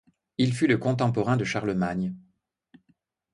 Il fut le contemporain de Charlemagne.